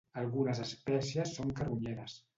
Algunes espècies són carronyeres.